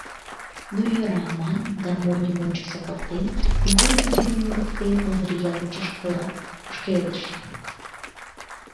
— Ну йӧра, — манын, гармоньым ончык сакалтен, кугу йӱк дене мурыктен, Ондрий ял мучашкыла ошкедыш.